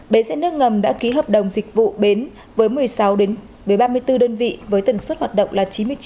bến xe nước ngầm đã ký hợp đồng dịch vụ bến với một mươi sáu đến ba mươi bốn đơn vị với tần suất hoạt động là chín mươi chín đến một trăm sáu mươi hai chuyến một ngày